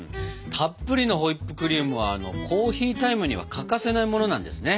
たっぷりのホイップクリームはコーヒータイムには欠かせないものなんですね。